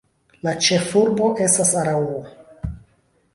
La ĉefurbo estas Araŭo.